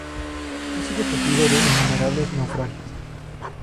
Ha sido testigo de innumerables naufragios.